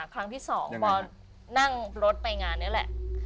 ครั้งที่๒ปอนั่งรถไปงานนี่แหละ